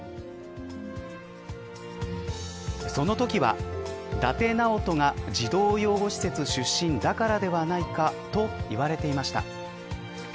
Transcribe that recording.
そのときは、伊達直人が児童養護施設出身だからではないかと言われていました。